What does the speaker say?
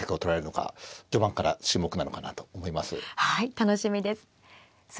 楽しみです。